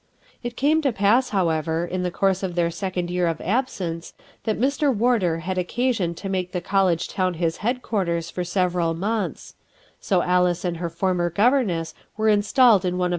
It came to pass, however, in the course of their second year of absence that Mr. Warder had occasion to make the college town his headquarters for several mouths; so Alice and her former governess were installed in one of THE OLD CAT!